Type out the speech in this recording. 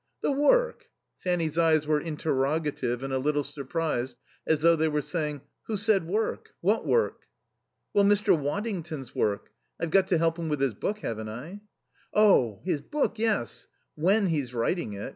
"The work?" Fanny's eyes were interrogative and a little surprised, as though they were saying, "Who said work? What work?" "Well, Mr. Waddington's work. I've got to help him with his book, haven't I?" "Oh, his book, yes. When he's writing it.